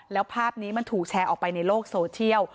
แล้วภาพนี้มันถูกแชร์ออกไปในโลกโซเชียล